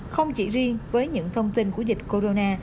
không chỉ riêng với những thông tin của dịch corona